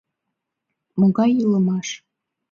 Могай илымаш.